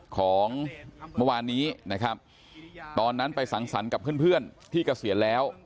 ของเมื่อวานนี้นะครับตอนนั้นไปสังสรรค์กับเพื่อนที่เกษียณแล้ว